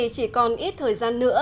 chỉ còn ít thời gian nữa